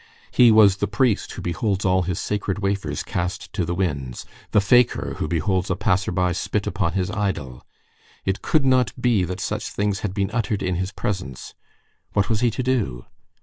He was the priest who beholds all his sacred wafers cast to the winds, the fakir who beholds a passer by spit upon his idol. It could not be that such things had been uttered in his presence. What was he to do?